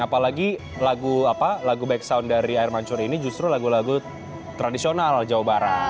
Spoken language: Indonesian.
apalagi lagu back sound dari air mancur ini justru lagu lagu tradisional jawa barat